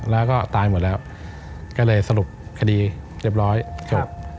แล้วก็ตายหมดแล้วก็เลยสรุปคดีเรียบร้อยจบ